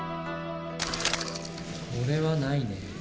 これはないね。